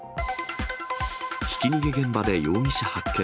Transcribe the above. ひき逃げ現場で容疑者発見。